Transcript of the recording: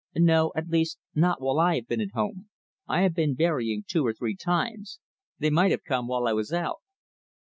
"No at least, not while I have been at home. I have been berrying, two or three times. They might have come while I was out."